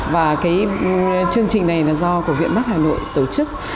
và cái chương trình này là do của viện mắt hà nội tổ chức